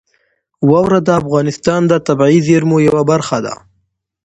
واوره د افغانستان د طبیعي زیرمو یوه برخه ده.